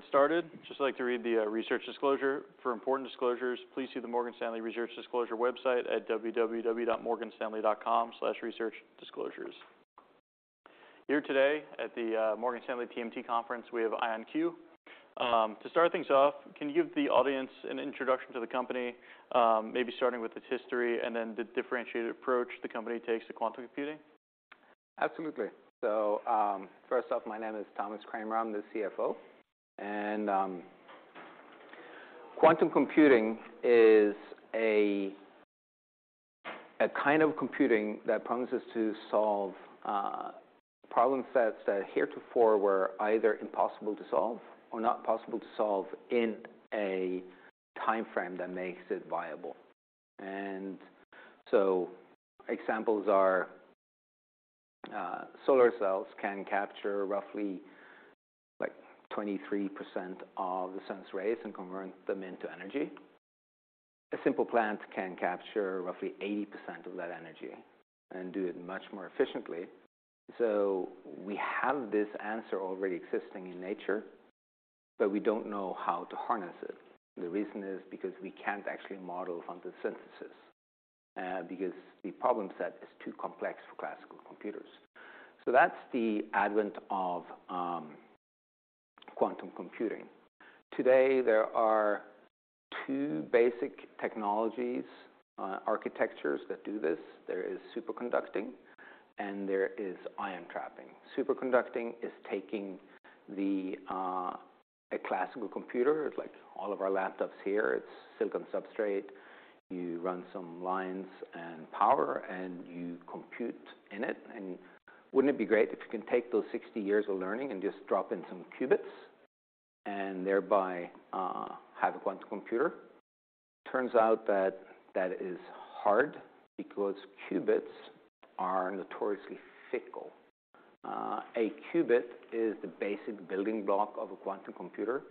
Before we get started, I'd just like to read the research disclosure. For important disclosures, please see the Morgan Stanley Research Disclosure website at www.morganstanley.com/researchdisclosures. Here today at the Morgan Stanley TMT conference, we have IonQ. To start things off, can you give the audience an introduction to the company, maybe starting with its history and then the differentiated approach the company takes to quantum computing? Absolutely. First off, my name is Thomas Kramer, I'm the CFO. Quantum computing is a kind of computing that promises to solve problem sets that heretofore were either impossible to solve or not possible to solve in a timeframe that makes it viable. Examples are, solar cells can capture roughly like 23% of the sun's rays and convert them into energy. A simple plant can capture roughly 80% of that energy and do it much more efficiently. We have this answer already existing in nature, but we don't know how to harness it. The reason is because we can't actually model photosynthesis, because the problem set is too complex for classical computers. That's the advent of quantum computing. Today, there are two basic technologies, architectures that do this. There is superconducting, and there is ion trapping. Superconducting is taking the a classical computer. It's like all of our laptops here. It's silicon substrate. You run some lines and power, and you compute in it. Wouldn't it be great if you can take those 60 years of learning and just drop in some qubits and thereby have a quantum computer? Turns out that that is hard because qubits are notoriously fickle. A qubit is the basic building block of a quantum computer,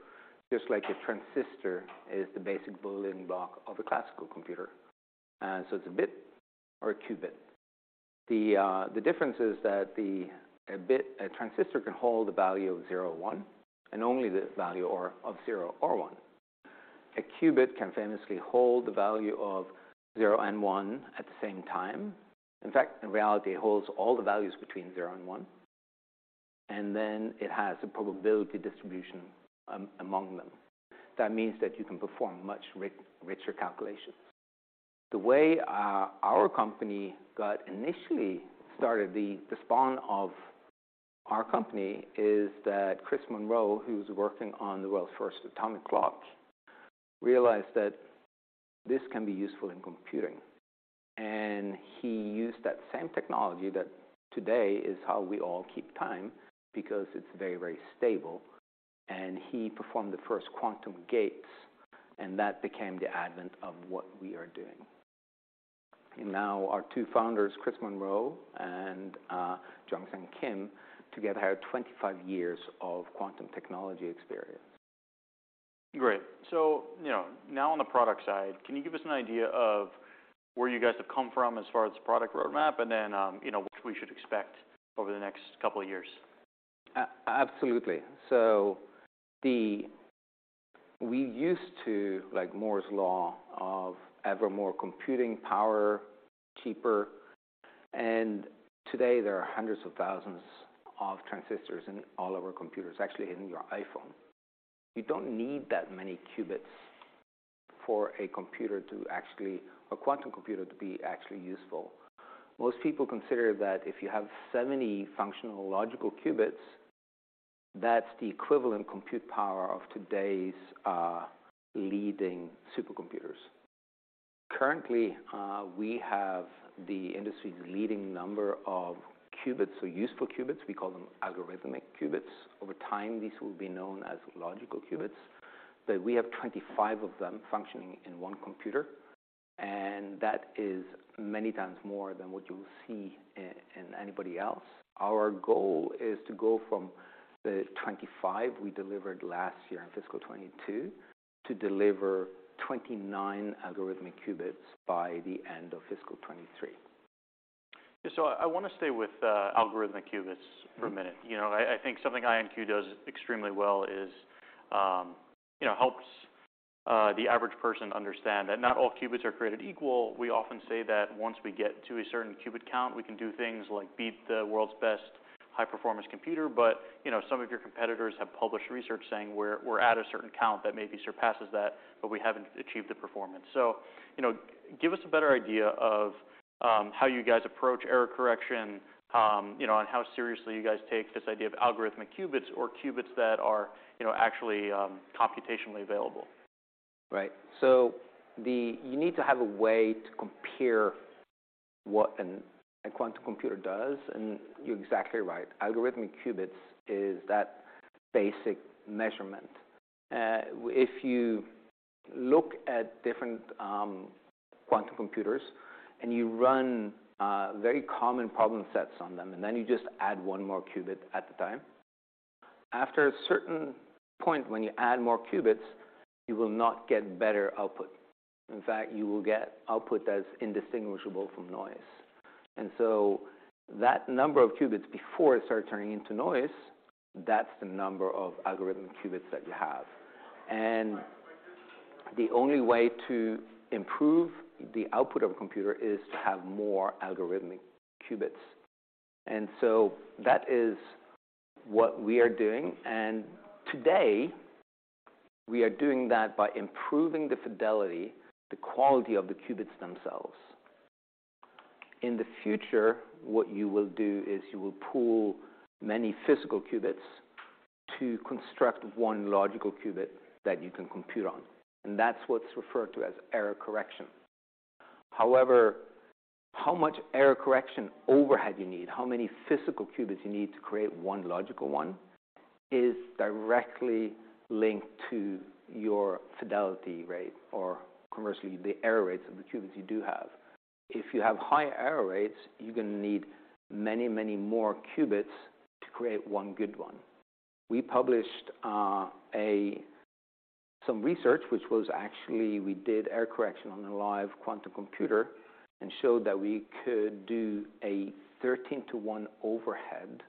just like a transistor is the basic building block of a classical computer. It's a bit or a qubit. The difference is that a transistor can hold a value of zero or one, and only the value or of zero or one. A qubit can famously hold the value of zero and one at the same time. In fact, in reality it holds all the values between zero and one, and then it has a probability distribution among them. That means that you can perform much richer calculations. The way our company got initially started, the spawn of our company is that Christopher Monroe who's working on the world's first atomic clock, realized that this can be useful in computing. He used that same technology that today is how we all keep time because it's very, very stable, and he performed the first quantum gates, and that became the advent of what we are doing. Now our two founders, Chris Monroe and Jungsang Kim, together have 25 years of quantum technology experience. Great. You know, now on the product side, can you give us an idea of where you guys have come from as far as the product roadmap and then, you know, what we should expect over the next couple of years? Absolutely. We used to, like Moore's Law of ever more computing power, cheaper, and today there are hundreds of thousands of transistors in all of our computers, actually in your iPhone. You don't need that many qubits for a computer to actually a quantum computer to be actually useful. Most people consider that if you have 70 functional logical qubits, that's the equivalent compute power of today's leading supercomputers. Currently, we have the industry's leading number of qubits, so useful qubits. We call them Algorithmic Qubits. Over time, these will be known as logical qubits. We have 25 of them functioning in one computer, and that is many times more than what you will see in anybody else. Our goal is to go from the 25 we delivered last year in fiscal '22 to deliver 29 Algorithmic Qubits by the end of fiscal '23. I wanna stay with algorithmic qubits for a minute. You know, I think something IonQ does extremely well is, you know, helps the average person understand that not all qubits are created equal. We often say that once we get to a certain qubit count, we can do things like beat the world's best high-performance computer. You know, some of your competitors have published research saying we're at a certain count that maybe surpasses that, but we haven't achieved the performance. You know, give us a better idea of how you guys approach error correction, you know, and how seriously you guys take this idea of algorithmic qubits or qubits that are, you know, actually computationally available. Right. You need to have a way to compare what a quantum computer does, and you're exactly right. Algorithmic Qubits is that basic measurement. If you look at different quantum computers, and you run very common problem sets on them, and then you just add one more qubit at a time, after a certain point when you add more qubits, you will not get better output. In fact, you will get output that's indistinguishable from noise. That number of qubits before it starts turning into noise, that's the number of algorithmic qubits that you have. The only way to improve the output of a computer is to have more algorithmic qubits. That is what we are doing. Today, we are doing that by improving the fidelity, the quality of the qubits themselves. In the future, what you will do is you will pool many physical qubits to construct one logical qubit that you can compute on, and that's what's referred to as error correction. However, how much error correction overhead you need, how many physical qubits you need to create one logical one, is directly linked to your fidelity rate, or conversely, the error rates of the qubits you do have. If you have high error rates, you're gonna need many more qubits to create 1 good 1. We published some research, which was actually we did error correction on a live quantum computer and showed that we could do a 13 to 1 overhead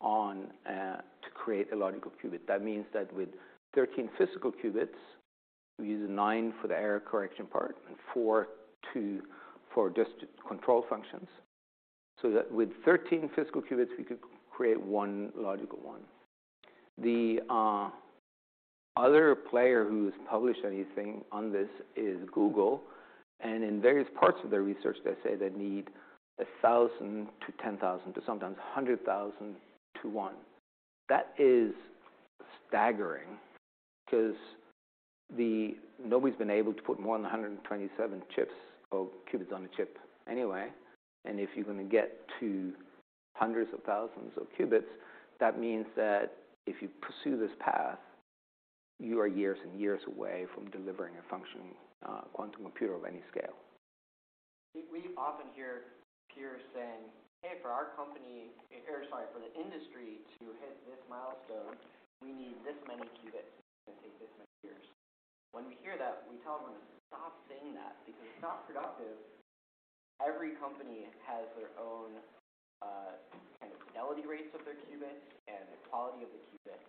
to create a logical qubit. That means that with 13 physical qubits, we use nine for the error correction part and four to - for just control functions, so that with 13 physical qubits, we could create 1 logical one. The other player who's published anything on this is Google, and in various parts of their research, they say they need 1,000 to 10,000 to sometimes 100,000 to 1. That is staggering because nobody's been able to put more than 127 chips or qubits on a chip anyway. If you're gonna get to hundreds of thousands of qubits, that means that if you pursue this path, you are years and years away from delivering a functioning quantum computer of any scale. We often hear peers saying, "Hey, for our company," or sorry, "For the industry to hit this milestone, we need this many qubits. It's gonna take this many years." When we hear that, we tell them, "Stop saying that," because it's not productive. Every company has their own kind of fidelity rates of their qubits and the quality of the qubits.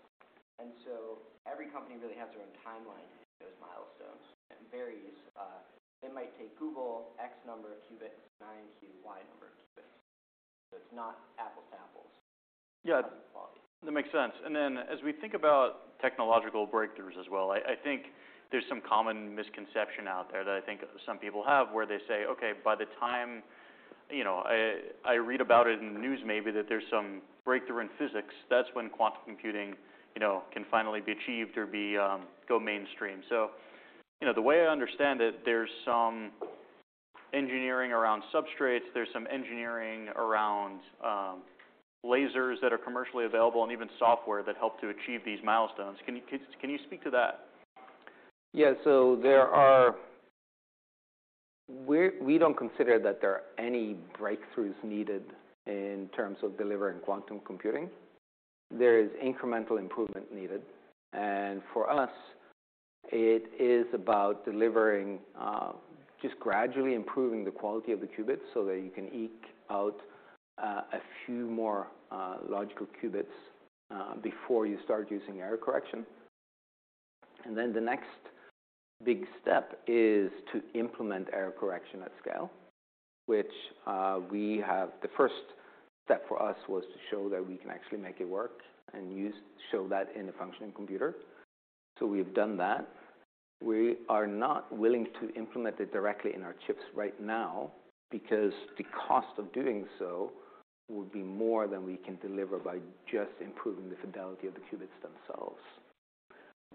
Every company really has their own timeline to hit those milestones, and it varies. It might take Google X number of qubits, IonQ Y number of qubits. It's not apples to apples in terms of quality. That makes sense. As we think about technological breakthroughs as well, I think there's some common misconception out there that I think some people have, where they say, "Okay, by the time, you know, I read about it in the news maybe that there's some breakthrough in physics, that's when quantum computing, you know, can finally be achieved or be, go mainstream." You know, the way I understand it, there's some engineering around substrates, there's some engineering around, lasers that are commercially available and even software that help to achieve these milestones. Can you speak to that? Yeah. There are - we don't consider that there are any breakthroughs needed in terms of delivering quantum computing. There is incremental improvement needed, and for us, it is about delivering, just gradually improving the quality of the qubits so that you can eke out, a few more, logical qubits, before you start using error correction. The next big step is to implement error correction at scale, which we have. The first step for us was to show that we can actually make it work and show that in a functioning computer. We've done that. We are not willing to implement it directly in our chips right now because the cost of doing so would be more than we can deliver by just improving the fidelity of the qubits themselves.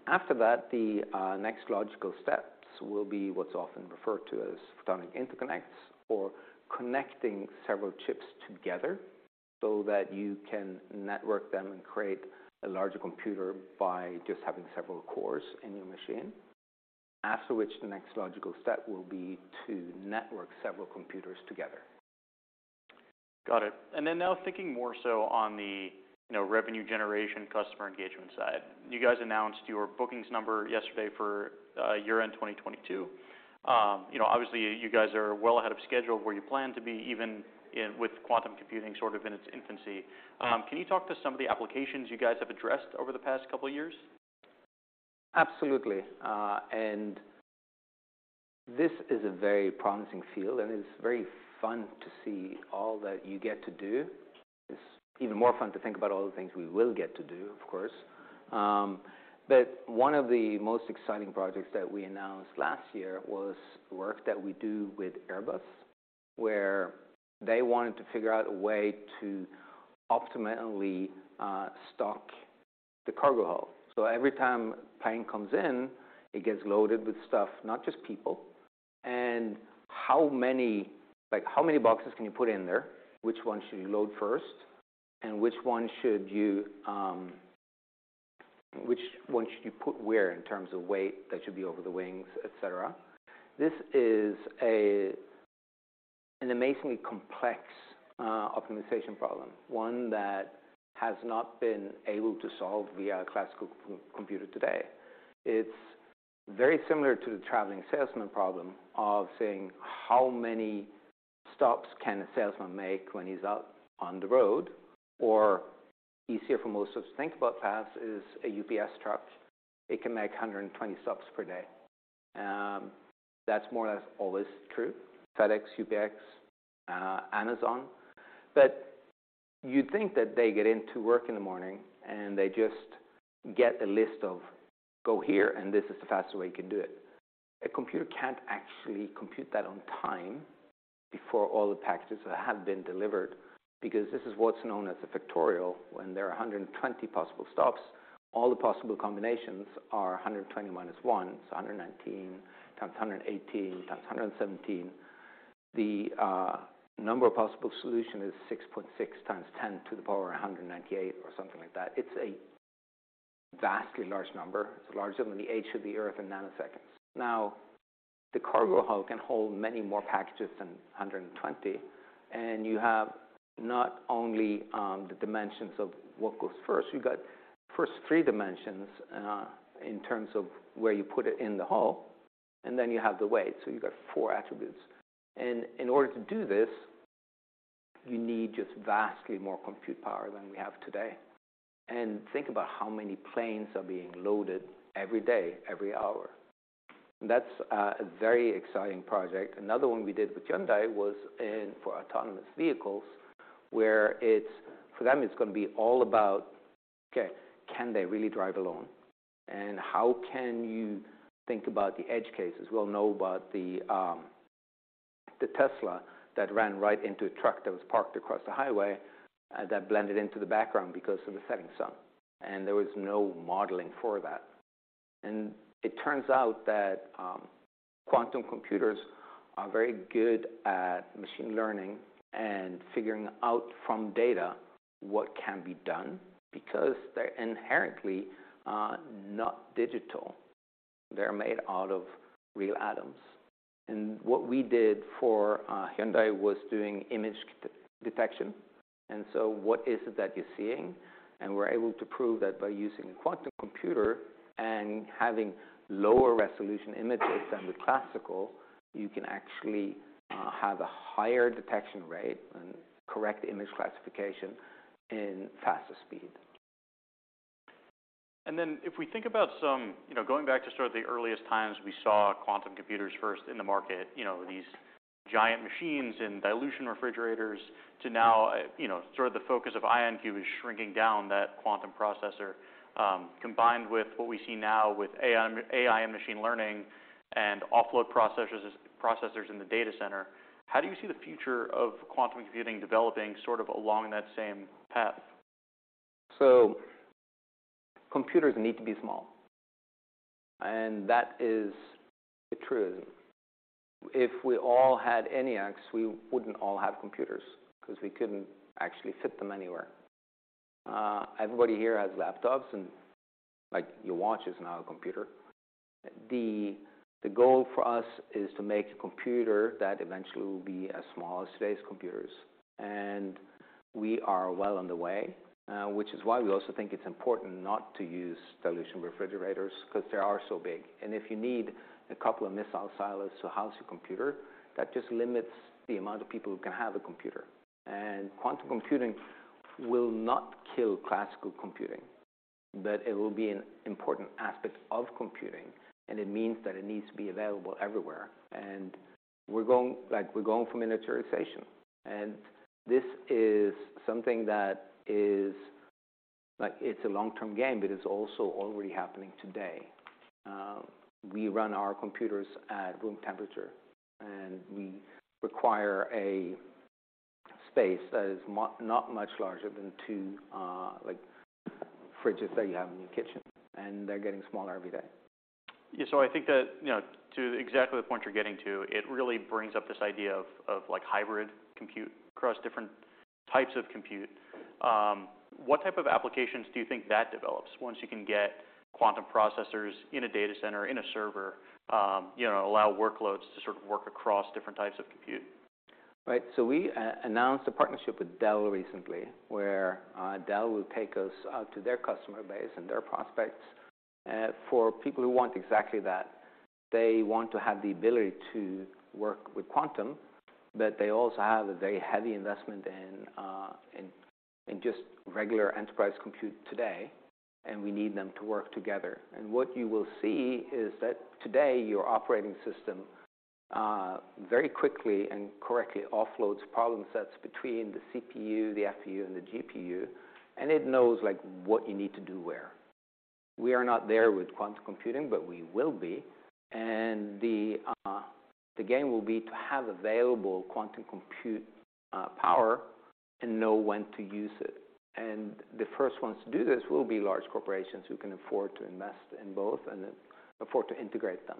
After that, the next logical steps will be what's often referred to as photonic interconnects or connecting several chips together so that you can network them and create a larger computer by just having several cores in your machine. After which, the next logical step will be to network several computers together. Got it. Now thinking more so on the, you know, revenue generation, customer engagement side, you guys announced your bookings number yesterday for year-end 2022. You know, obviously, you guys are well ahead of schedule where you plan to be with quantum computing sort of in its infancy. Can you talk to some of the applications you guys have addressed over the past couple of years? Absolutely. This is a very promising field, and it's very fun to see all that you get to do. It's even more fun to think about all the things we will get to do, of course. One of the most exciting projects that we announced last year was work that we do with Airbus, where they wanted to figure out a way to optimally stock the cargo hold. Every time a plane comes in, it gets loaded with stuff, not just people. How many, like how many boxes can you put in there? Which one should you load first? Which one should you put where in terms of weight that should be over the wings, et cetera? This is an amazingly complex optimization problem, one that has not been able to solve via a classical computer today. Very similar to the traveling salesman problem of saying how many stops can a salesman make when he's out on the road, or easier for most of us to think about paths is a UPS truck. It can make 120 stops per day. That's more or less always true. FedEx, UPS, Amazon. You'd think that they get into work in the morning, and they just get a list of go here, and this is the fastest way you can do it. A computer can't actually compute that on time before all the packages have been delivered because this is what's known as a factorial. When there are 120 possible stops, all the possible combinations are 120 minus 1. 119 times 118 times 117. The number of possible solution is 6.6 times 10 to the power of 198 or something like that. It's a vastly large number. It's larger than the age of the Earth in nanoseconds. Now, the cargo hold can hold many more packages than 120 and you have not only the dimensions of what goes first. You got first three dimensions in terms of where you put it in the hull, and then you have the weight. You got four attributes. In order to do this, you need just vastly more compute power than we have today. Think about how many planes are being loaded every day, every hour. That's a very exciting project. Another one we did with Hyundai was for autonomous vehicles, where it's for them, it's gonna be all about, okay can they really drive alone? How can you think about the edge cases? We all know about the Tesla that ran right into a truck that was parked across the highway, that blended into the background because of the setting sun, there was no modeling for that. It turns out that quantum computers are very good at machine learning and figuring out from data what can be done because they're inherently not digital. They're made out of real atoms. What we did for Hyundai was doing image detection, what is it that you're seeing? We're able to prove that by using a quantum computer and having lower resolution images than with classical, you can actually have a higher detection rate and correct image classification in faster speed. If we think about some, you know, going back to sort of the earliest times we saw quantum computers first in the market, you know these giant machines and dilution refrigerators to now, you know, sort of the focus of IonQ is shrinking down that quantum processor, combined with what we see now with AI and machine learning and offload processors in the data center. How do you see the future of quantum computing developing sort of along that same path? Computers need to be small, and that is a truism. If we all had ENIACs, we wouldn't all have computers 'cause we couldn't actually fit them anywhere. Everybody here has laptops and like, your watch is now a computer. The goal for us is to make a computer that eventually will be as small as today's computers, and we are well on the way, which is why we also think it's important not to use dilution refrigerators 'cause they are so big. If you need a couple of missile silos to house your computer, that just limits the amount of people who can have a computer. Quantum computing will not kill classical computing, but it will be an important aspect of computing, and it means that it needs to be available everywhere. We're going, like, we're going for miniaturization. This is something that is, like, it's a long-term game, but it's also already happening today. We run our computers at room temperature, and we require a space that is not much larger than two, like, fridges that you have in your kitchen, and they're getting smaller every day. Yeah. I think that, you know, to exactly the point you're getting to, it really brings up this idea of, like, hybrid compute across different types of compute. What type of applications do you think that develops once you can get quantum processors in a data center, in a server, you know, allow workloads to sort of work across different types of compute? Right. We announced a partnership with Dell recently, where Dell will take us out to their customer base and their prospects for people who want exactly that. They want to have the ability to work with quantum but they also have a very heavy investment in just regular enterprise compute today, and we need them to work together. What you will see is that today, your operating system very quickly and correctly offloads problem sets between the CPU, the FPU, and the GPU, and it knows, like what you need to do where. We are not there with quantum computing, but we will be. The game will be to have available quantum compute power and know when to use it. The first ones to do this will be large corporations who can afford to invest in both and afford to integrate them.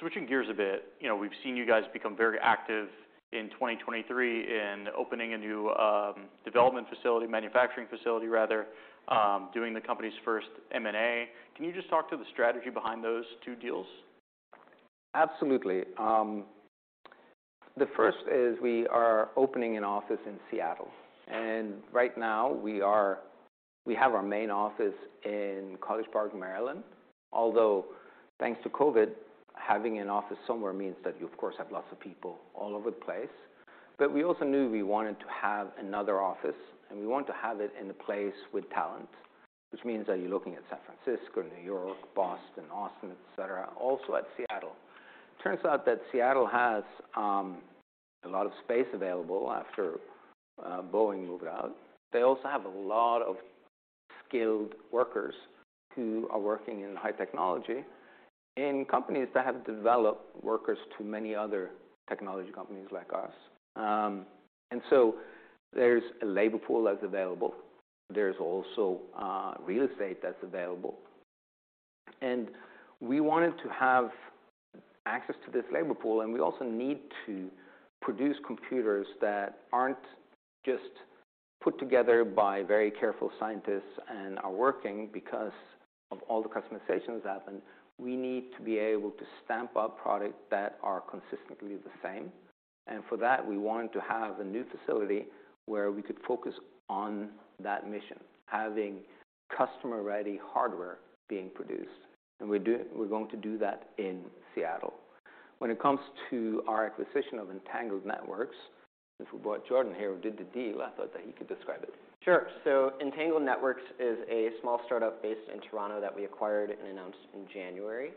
Switching gears a bit, you know, we've seen you guys become very active in 2023 in opening a new development facility, manufacturing facility rather, doing the company's first M&A. Can you just talk to the strategy behind those two deals? Absolutely. The first is we are opening an office in Seattle. Right now we have our main office in College Park, Maryland. Although thanks to COVID, having an office somewhere means that you of course, have lots of people all over the place. We also knew we wanted to have another office, and we want to have it in a place with talent, which means that you're looking at San Francisco, New York, Boston, Austin, et cetera, also at Seattle. Turns out that Seattle has a lot of space available after Boeing moved out. They also have a lot of skilled workers who are working in high technology in companies that have developed workers to many other technology companies like us. There's a labor pool that's available. There's also real estate that's available. We wanted to have access to this labor pool, and we also need to produce computers that aren't just put together by very careful scientists and are working because of all the customizations that happen. We need to be able to stamp out product that are consistently the same. For that, we wanted to have a new facility where we could focus on that mission, having customer-ready hardware being produced. We're going to do that in Seattle. When it comes to our acquisition of Entangled Networks, since we brought Jordan here, who did the deal, I thought that he could describe it. Sure. Entangled Networks is a small startup based in Toronto that we acquired and announced in January.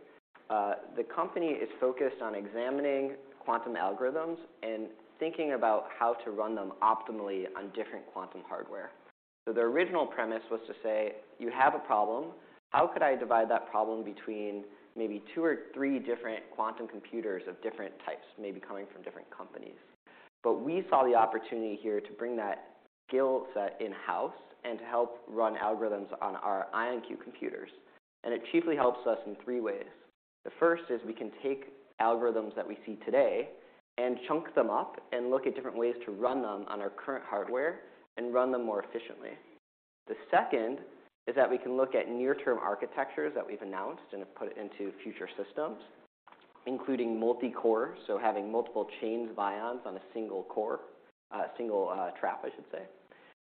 The company is focused on examining quantum algorithms and thinking about how to run them optimally on different quantum hardware. Their original premise was to say, you have a problem. How could I divide that problem between maybe two or three different quantum computers of different types, maybe coming from different companies? We saw the opportunity here to bring that skill set in-house and to help run algorithms on our IonQ computers. It chiefly helps us in three ways. The first is we can take algorithms that we see today and chunk them up and look at different ways to run them on our current hardware and run them more efficiently. The second is that we can look at near-term architectures that we've announced and have put into future systems, including multi-core, so having multiple chains of ions on a single core, single trap, I should say,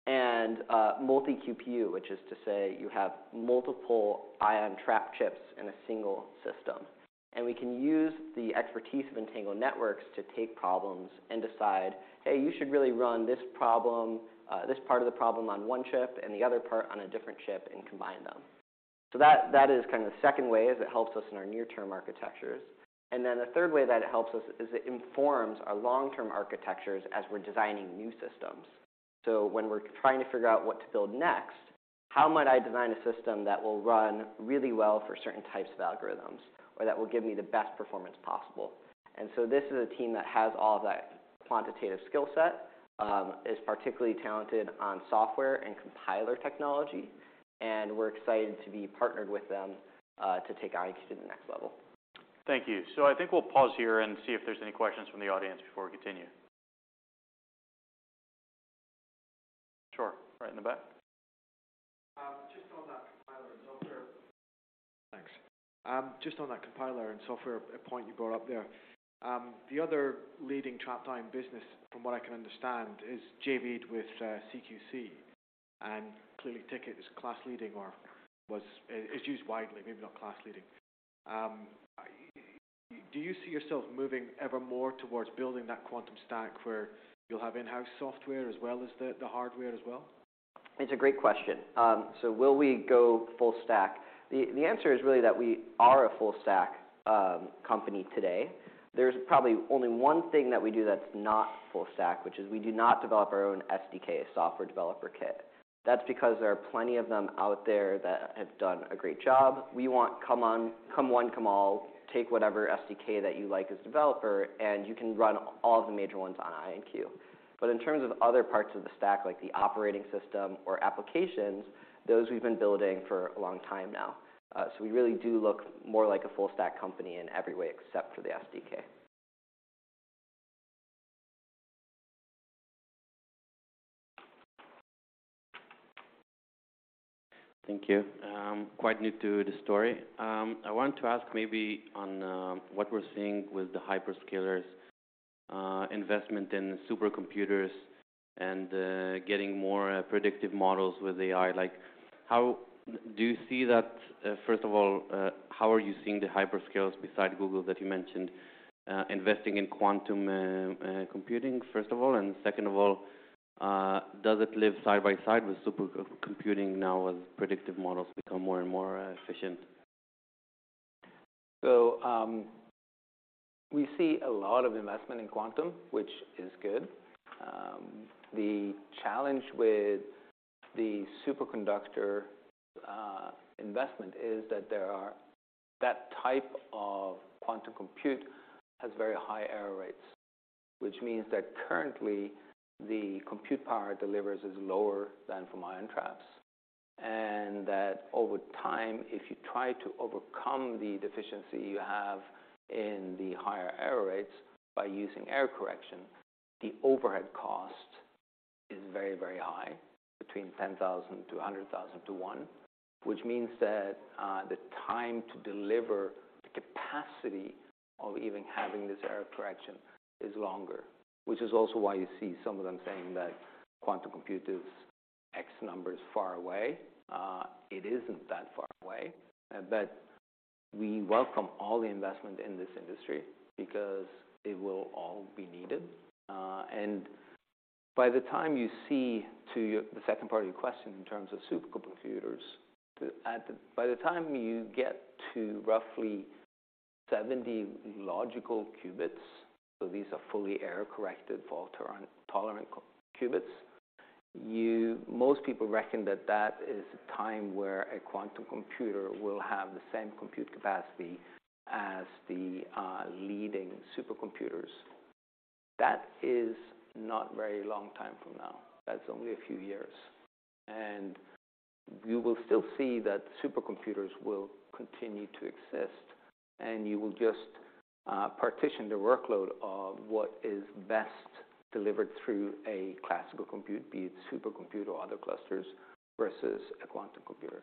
and multi-QPU, which is to say you have multiple ion trap chips in a single system. We can use the expertise of Entangled Networks to take problems and decide, hey, you should really run this problem, this part of the problem on one chip and the other part on a different chip and combine them. That is kind of the second way is it helps us in our near-term architectures. Then the third way that it helps us is it informs our long-term architectures as we're designing new systems. When we're trying to figure out what to build next, how might I design a system that will run really well for certain types of algorithms or that will give me the best performance possible? This is a team that has all that quantitative skill set, is particularly talented on software and compiler technology, and we're excited to be partnered with them, to take IonQ to the next level. Thank you. I think we'll pause here and see if there's any questions from the audience before we continue. Sure. Right in the back. Just on that compiler and software - thanks. Just on that compiler and software point you brought up there, the other leading trapped-ion business, from what I can understand, is JV'd with CQC. Clearly, Qiskit is class leading or is used widely, maybe not class leading. Do you see yourself moving evermore towards building that quantum stack where you'll have in-house software as well as the hardware as well? It's a great question. Will we go full stack? The answer is really that we are a full-stack company today. There's probably only one thing that we do that's not full stack, which is we do not develop our own SDK, a software developer kit. That's because there are plenty of them out there that have done a great job. We want come one, come all, take whatever SDK that you like as a developer, and you can run all the major ones on IonQ. In terms of other parts of the stack, like the operating system or applications, those we've been building for a long time now. We really do look more like a full-stack company in every way except for the SDK. Thank you. I'm quite new to the story. I want to ask maybe on what we're seeing with the hyperscalers investment in supercomputers and getting more predictive models with AI. First of all, how are you seeing the hyperscalers besides Google that you mentioned investing in quantum computing, first of all? Second of all, does it live side by side with supercomputing now as predictive models become more and more efficient? We see a lot of investment in quantum, which is good. The challenge with the superconductor investment is that that type of quantum compute has very high error rates, which means that currently the compute power it delivers is lower than from ion traps. That over time, if you try to overcome the deficiency you have in the higher error rates by using error correction. The overhead cost is very, very high, between 10,000 to 100,000 to 1, which means that the time to deliver the capacity of even having this error correction is longer. Which is also why you see some of them saying that quantum computers X number is far away. It isn't that far away, but we welcome all the investment in this industry because it will all be needed. By the time you get to roughly 70 logical qubits, so these are fully error-corrected fault-tolerant qubits, most people reckon that that is a time where a quantum computer will have the same compute capacity as the leading supercomputers. That is not very long time from now. That's only a few years. You will still see that supercomputers will continue to exist, and you will just partition the workload of what is best delivered through a classical compute, be it supercomputer or other clusters versus a quantum computer.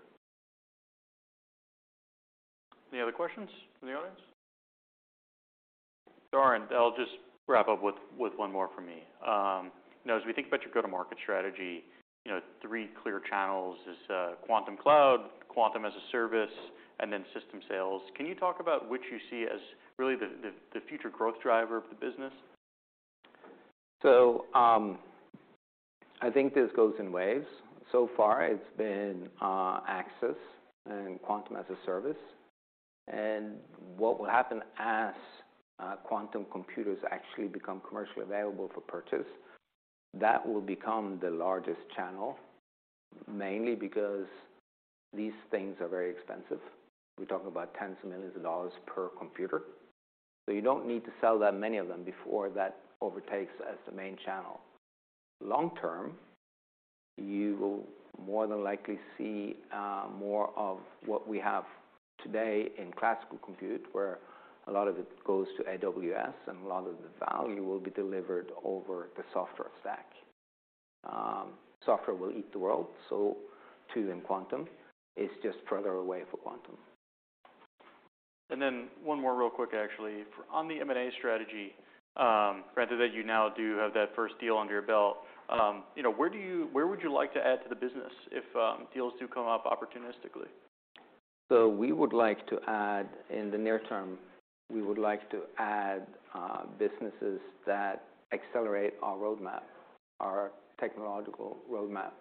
Any other questions from the audience? Darren, I'll just wrap up with one more from me. You know, as we think about your go-to-market strategy, you know, three clear channels is Quantum cloud, Quantum as a Service, and then system sales. Can you talk about which you see as really the future growth driver of the business? I think this goes in waves. So far it's been access and Quantum as a Service. What will happen as quantum computers actually become commercially available for purchase, that will become the largest channel, mainly because these things are very expensive. We're talking about tens of millions of dollars per computer. You don't need to sell that many of them before that overtakes as the main channel. Long term, you will more than likely see more of what we have today in classical compute, where a lot of it goes to AWS and a lot of the value will be delivered over the software stack. Software will eat the world, so too in quantum. It's just further away for quantum. One more real quick, actually. On the M&A strategy, granted that you now do have that first deal under your belt, you know, where would you like to add to the business if deals do come up opportunistically? We would like to add, in the near term, we would like to add, businesses that accelerate our roadmap, our technological roadmap.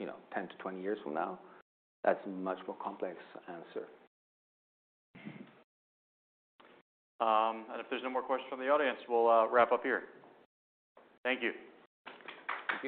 You know, 10 to 20 years from now, that's a much more complex answer. If there's no more questions from the audience, we'll wrap up here. Thank you.